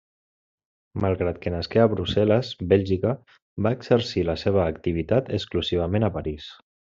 Malgrat que nasqué a Brussel·les, Bèlgica, va exercir la seva activitat exclusivament a París.